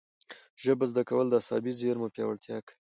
ژبه زده کول د عصبي زېرمو پیاوړتیا کوي.